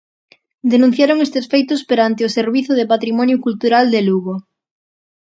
Denunciaron estes feitos perante o Servizo de Patrimonio Cultural de Lugo.